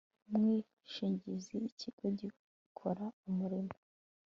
umwishingizi Ikigo gikora umurimo